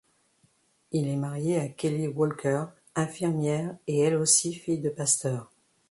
Il est marié à Kelly Walker, infirmière et elle aussi fille de pasteur.